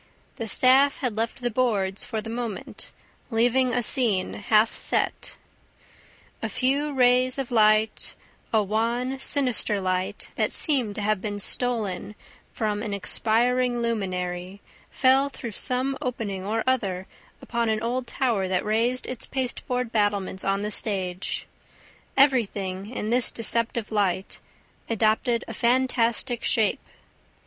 The staff had left the boards for the moment, leaving a scene half set. A few rays of light, a wan, sinister light, that seemed to have been stolen from an expiring luminary, fell through some opening or other upon an old tower that raised its pasteboard battlements on the stage; everything, in this deceptive light, adopted a fantastic shape.